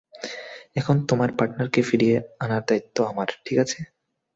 এখন তোমার পার্টনারকে ফিরিয়ে আনার দায়িত্ব আমার, ঠিক আছে?